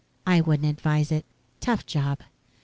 "I wouldn't advise it. Tough job."